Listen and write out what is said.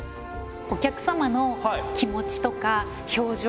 お客様の気持ちとか表情